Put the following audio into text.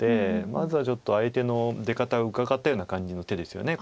まずはちょっと相手の出方をうかがったかのような感じの手ですよね